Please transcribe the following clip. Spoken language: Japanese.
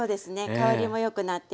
香りもよくなって。